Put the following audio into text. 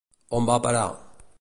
On va a parar?